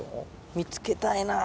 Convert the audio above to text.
見つけたいなぁ。